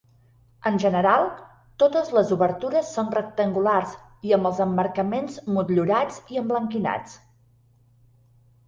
En general, totes les obertures són rectangulars i amb els emmarcaments motllurats i emblanquinats.